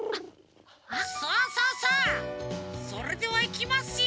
さあさあさあそれではいきますよ！